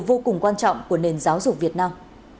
vô cùng quan trọng của nền giáo dục việt nam